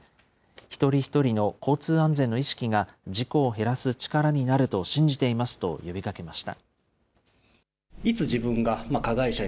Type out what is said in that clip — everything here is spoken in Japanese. ひとりひとりの交通安全の意識が事故を減らす力になると信じていますと呼びかけました。